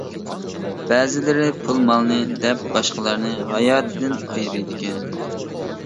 بەزىلىرى پۇل-مالنى دەپ باشقىلارنى ھاياتىدىن ئايرىيدىكەن.